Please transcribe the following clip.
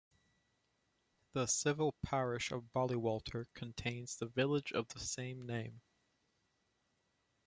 The civil parish of Ballywalter contains the village of the same name.